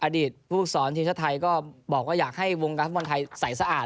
อดีตผู้สอนทีมชาติไทยก็บอกว่าอยากให้วงการฟุตบอลไทยใส่สะอาด